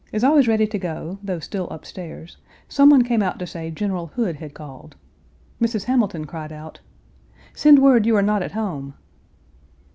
As I was ready to go, though still up stairs, some one came to say General Hood had called. Mrs. Hamilton cried out, "Send word you are not at home."